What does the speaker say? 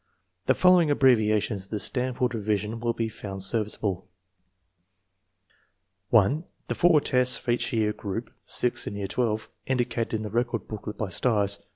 The following abbreviations of the Stanford Revi sion will be found serviceable: 1. The four tests of each year group (six in year 18) indi cated in the record booklet by stars.